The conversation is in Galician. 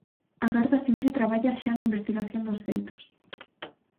A Garda Civil traballa xa na investigación dos feitos.